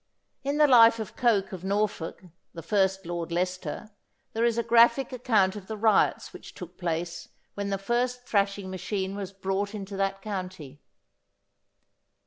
In the life of Coke of Norfolk, the first Lord Leicester, there is a graphic account of the riots which took place when the first thrashing machine was brought into that county.